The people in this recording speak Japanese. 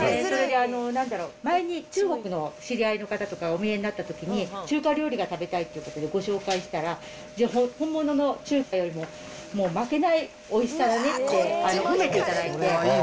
それで、なんだろう、前に中国の知り合いの方とか、お見えになったときに、中華料理が食べたいということでご紹介したら、本物の中華よりも、もう負けないおいしさだねって褒めていただいて。